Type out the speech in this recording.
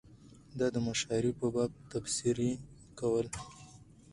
او دمشاعرې په باب تبصرې کول